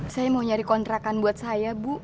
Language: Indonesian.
saya mau nyari kontrakan buat saya bu